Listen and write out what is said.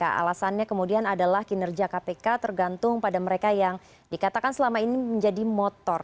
ya alasannya kemudian adalah kinerja kpk tergantung pada mereka yang dikatakan selama ini menjadi motor